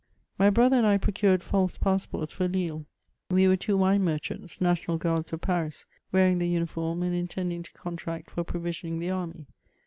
My brother and I procured Mse passports for lille ; we were two wine merchants, national guards of Paris, wearing the uniform, and intending to contract for provisioning the army.